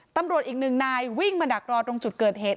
ตำรวจอีกหนึ่งนายวิ่งมาดักรอตรงจุดเกิดเหตุ